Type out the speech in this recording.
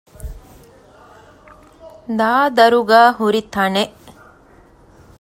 ދާދަރުގައި ހުރި ތަނެއް